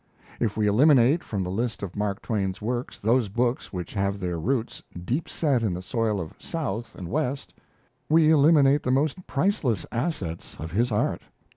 If we eliminate from the list of Mark Twain's works those books which have their roots deep set in the soil of South and West, we eliminate the most priceless assets of his art.